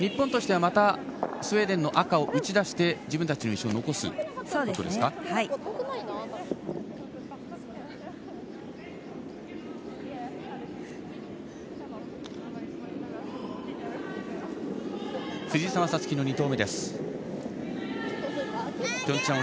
日本としてはまたスウェーデンの赤を打ち出して、自分たちの石を残すということですか？